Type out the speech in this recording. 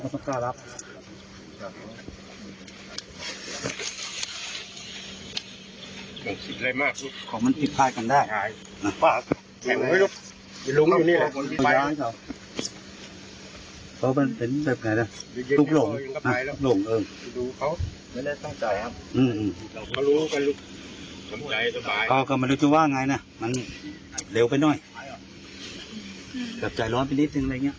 สวัสดีครับครับ